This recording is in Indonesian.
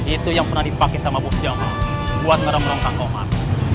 itu yang pernah dipakai sama bos jamal buat ngerem rem kang komar